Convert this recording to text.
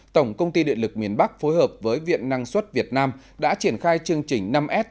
tổng công ty điện lực miền bắc phối hợp với viện năng suất việt nam đã triển khai chương trình năm s